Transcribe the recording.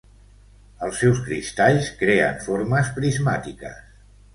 Els seus cristalls creen formes prismàtiques.